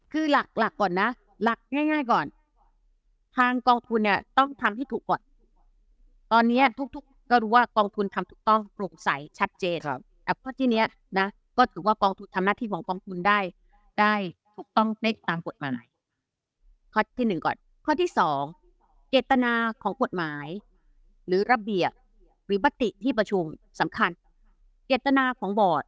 คือหลักหลักก่อนนะหลักง่ายง่ายก่อนทางกองทุนน่ะต้องทำให้ถูกตก